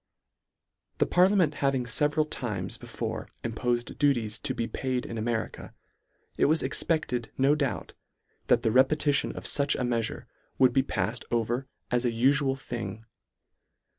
The parliament having feveral times be fore impofed duties to be paid in America, it was expected no doubt, that the repeti tion of fuch a meafure would be paifed over as an ufual thing.